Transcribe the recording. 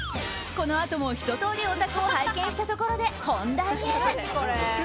このあとも、ひととおりお宅を拝見したところで本題へ。